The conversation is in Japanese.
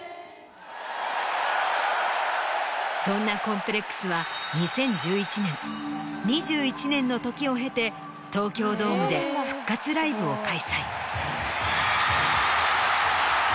そんなＣＯＭＰＬＥＸは２０１１年２１年の時を経て東京ドームで復活ライブを開催。